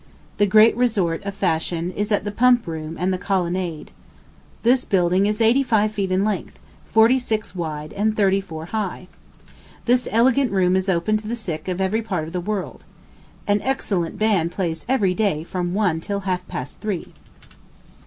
The great resort of fashion is at the Pump room and the Colonnade. This building is eighty five feet in length, forty six wide, and thirty four high. This elegant room is open to the sick of every part of the world. An excellent band plays every day from one till half past three.